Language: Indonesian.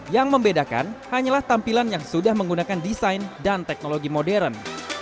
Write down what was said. yang membedakan hanyalah tampilan yang sudah menggunakan desain dan teknologi modern